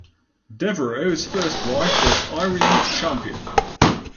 Devereaux's first wife was Irene Champion.